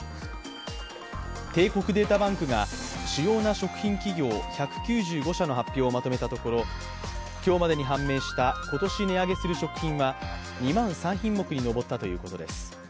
帝国データバンクが主要な食品企業１９５社の発表をまとめたところ今日までに判明した今年値上げする食品は２万３品目に上ったということです。